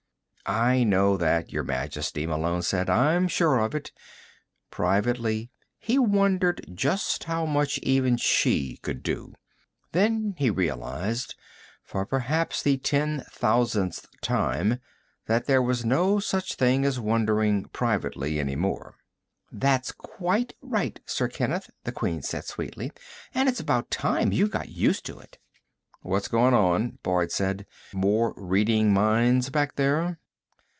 "I know that, Your Majesty," Malone said. "I'm sure of it." Privately, he wondered just how much even she could do. Then he realized for perhaps the ten thousandth time that there was no such thing as wondering privately any more. "That's quite right, Sir Kenneth," the Queen said sweetly. "And it's about time you got used to it." "What's going on?" Boyd said. "More reading minds back there?"